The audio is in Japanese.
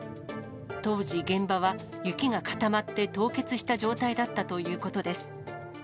当時、現場は雪が固まって凍結した状態だったということです。